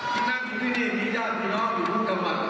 จะนั่งทีวิทยาลุยน้องอยู่ทุกที่กรรม